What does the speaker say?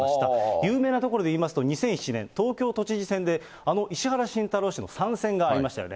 有名なところでいいますと、２００７年、東京都知事選で、あの石原慎太郎氏の３選がありましたよね。